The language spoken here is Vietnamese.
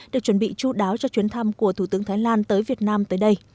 được chuẩn bị chú đáo cho chuyến thăm của thủ tướng thái lan tới việt nam tới đây